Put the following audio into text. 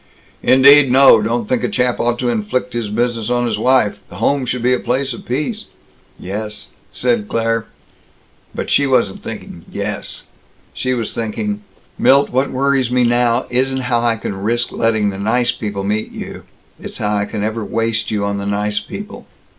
"Indeed no. Don't think a chap ought to inflict his business on his wife. The home should be a place of peace." "Yes," said Claire. But she wasn't thinking "Yes." She was thinking, "Milt, what worries me now isn't how I can risk letting the 'nice people' meet you. It's how I can ever waste you on the 'nice people.'